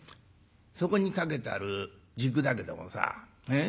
「そこに掛けてある軸だけどもさええ？